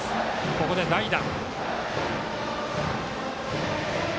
ここで代打。